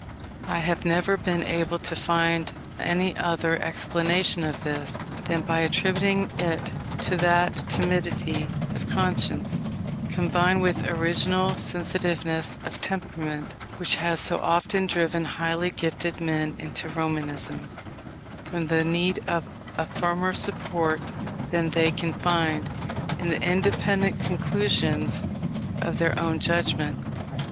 I have never been able to find any other explanation of this, than by attributing it to that timidity of conscience, combined with original sensitiveness of temperament, which has so often driven highly gifted men into Romanism, from the need of a firmer support than they can find in the independent conclusions of their own judgment.